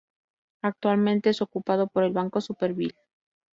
Actualmente es ocupado por el Banco Supervielle.